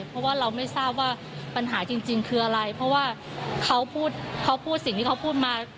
เพราะว่าเราไม่ทราบว่าปัญหาจริงคืออะไรเพราะว่าเขาพูดเขาพูดสิ่งที่เขาพูดมา